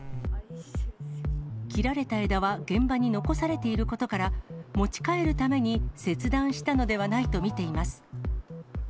切られた枝は現場に残されていることから、持ち帰るために切断したのではないと見ています。